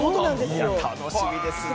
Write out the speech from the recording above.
楽しみですね。